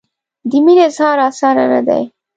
د مینې اظهار اسانه نه دی.